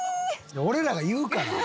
俺らが言うから。